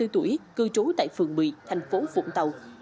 ba mươi bốn tuổi cư trú tại phường một mươi thành phố vũng tàu